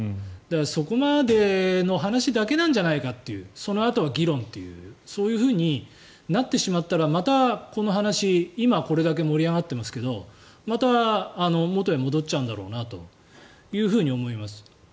そこまでの話だけなんじゃないかというそのあとは議論というそういうふうになってしまったらまた、この話、今はこれだけ盛り上がってますけどまた元へ戻っちゃうんだろうなと思います。